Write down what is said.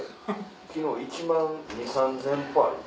昨日１万２０００３０００歩歩いた。